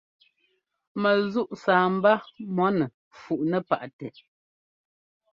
Mɛzúʼ sâbá mʉ̈nɛ fuʼnɛ paʼtɛ.